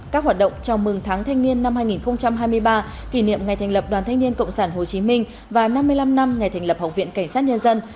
các hoạt động chào mừng tháng thanh niên năm hai nghìn hai mươi ba kỷ niệm ngày thành lập đoàn thanh niên cộng sản hồ chí minh và năm mươi năm năm ngày thành lập học viện cảnh sát nhân dân